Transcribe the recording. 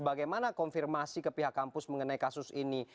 bagaimana konfirmasi ke pihak kampus mengenai kasus ini